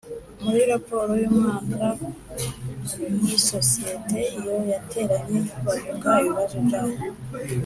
muri raporo y umwaka y isosiyete Iyo yateranye bavuga ibibazo byabo